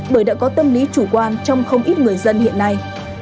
bởi đã có tâm lý chủ quan trong không ít người dân hiện nay